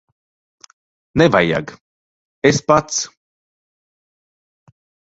Nevajag. Es pats.